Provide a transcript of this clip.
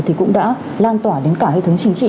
thì cũng đã lan tỏa đến cả hệ thống chính trị